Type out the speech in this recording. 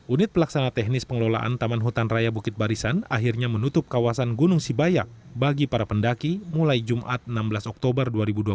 unit pelaksana teknis pengelolaan taman hutan raya bukit barisan akhirnya menutup kawasan gunung sibayak bagi para pendaki mulai jumat enam belas oktober dua ribu dua puluh